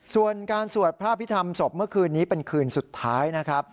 ส่วนการสวดพระพิธรรมศพเมื่อคืนนี้เป็นคืนสุดท้ายนะครับ